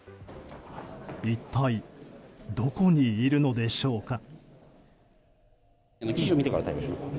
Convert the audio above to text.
一体どこにいるのでしょうか。